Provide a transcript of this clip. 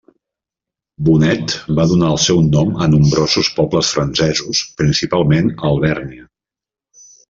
Bonet va donar el seu nom a nombrosos pobles francesos, principalment a Alvèrnia.